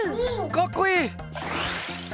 かっこいい！